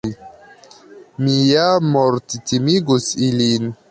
Mi ja morttimigus ilin.